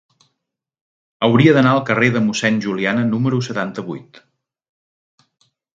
Hauria d'anar al carrer de Mossèn Juliana número setanta-vuit.